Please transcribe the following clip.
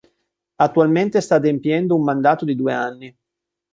Attualmente sta adempiendo un mandato di due anni.